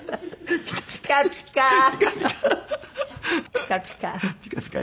ピカピカに。